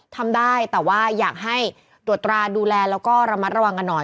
ทำได้แต่ว่าอยากให้ตรวจตราดูแลแล้วก็ระมัดระวังกันหน่อย